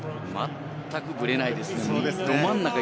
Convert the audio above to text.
まったくぶれないですね。